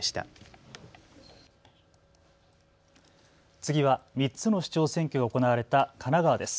次は３つの市長選挙が行われた神奈川です。